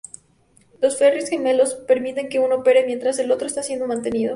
Los ferries gemelos permiten que uno opere mientras el otro está siendo mantenido.